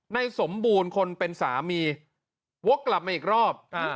ในสมบูรณ์คนเป็นสามีวกกลับมาอีกรอบ